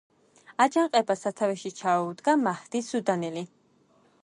აჯანყებას სათავეში ჩაუდგა მაჰდი სუდანელი.